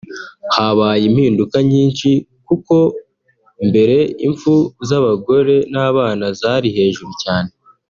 Habaye impinduka nyinshi kuko mbere impfu z’abagore n’abana zari hejuru cyane